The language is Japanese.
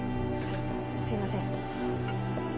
すみません。